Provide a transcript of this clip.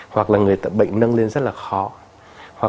hoặc là người bệnh nâng lên rất là khó